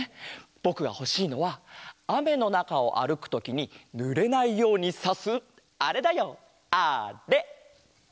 ぼくがほしいのはあめのなかをあるくときにぬれないようにさすあれだよあれ！